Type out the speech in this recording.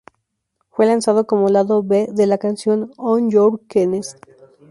Fue lanzado como lado B de la canción "On Your Knees".